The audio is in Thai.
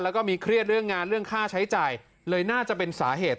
แล้วก็มีเครียดเรื่องงานเรื่องค่าใช้จ่ายเลยน่าจะเป็นสาเหตุ